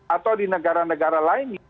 atau di negara negara lainnya